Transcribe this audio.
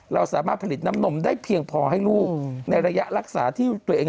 เราสามารถผลิตน้ำนมได้เพียงพอให้ลูกในระยะรักษาที่ตัวเอง